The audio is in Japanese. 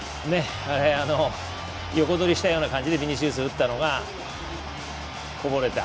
横取りしたような形でビニシウスが打ったのがこぼれた。